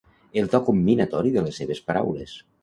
El to comminatori de les seves paraules.